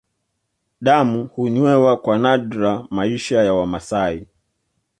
Damu hunywewa kwa nadra Maisha ya Wamasai